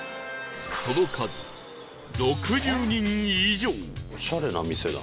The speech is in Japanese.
その数６０人以上！